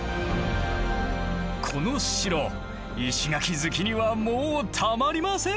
この城石垣好きにはもうたまりません！